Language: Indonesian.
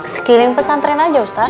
sekiling pesantren aja ustaz